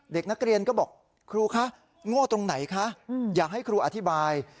เด็กนักเรียนก็บอกครูคะโง่ตรงไหนคะอยากให้ครูอธิบาย